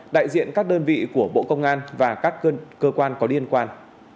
đại diện các đơn vị của bộ công an và các cơ quan có liên quan